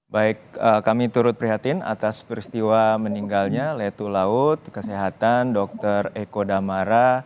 baik kami turut prihatin atas peristiwa meninggalnya letu laut kesehatan dr eko damara